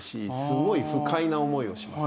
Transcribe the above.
すごい不快な思いをします。